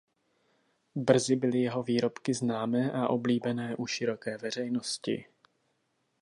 Brzy byly jeho výrobky známé a oblíbené u široké veřejnosti.